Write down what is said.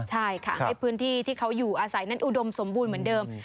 ใช่ค่ะให้พื้นที่ที่เขาอยู่อาศัยนั้นอุดมสมบูรณ์เหมือนเดิม